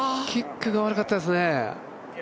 キックが悪かったですね。